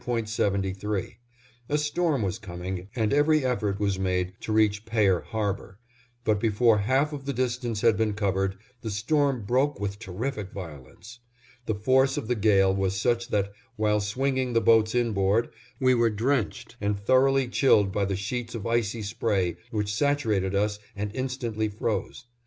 A storm was coming, and every effort was made to reach Payer Harbor, but before half of the distance had been covered, the storm broke with terrific violence. The force of the gale was such that, while swinging the boats inboard, we were drenched and thoroughly chilled by the sheets of icy spray, which saturated us and instantly froze.